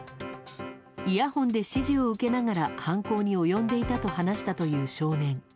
イヤホンで指示を受けながら犯行に及んでいたと話した少年。